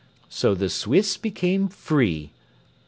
So the Swiss became free.